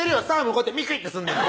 こうやってミキュイってすんねん